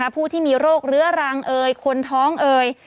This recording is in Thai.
ผู้ที่มีโรคเรื้อรังเอ่ยคนท้องเอ่ย